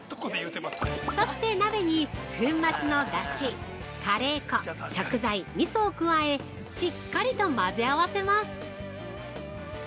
そして鍋に粉末のだし、カレー粉、食材、みそを加えしっかりと混ぜ合わせます。